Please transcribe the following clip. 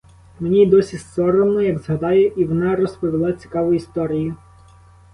Мені й досі соромно, як згадаю, — і вона розповіла цікаву історію.